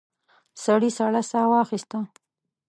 سړي سړه ساه واخيسته.